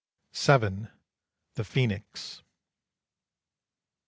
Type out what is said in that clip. VII. THE PHOENIX.